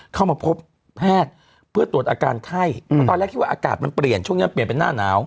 เข้ามาพบแพทย์เพื่อตรวจอาการไข้เพราะตอนแรกคิดว่าอากาศมันเปลี่ยนช่วงนั้นเปลี่ยนเป็นหน้าหนาว